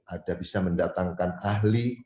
ada bisa mendatangkan ahli